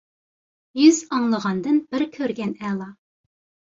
يۈز ئاڭلىغاندىن بىر كۆرگەن ئەلا.